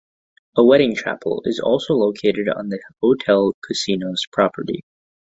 A wedding chapel is also located on the hotel casino's property.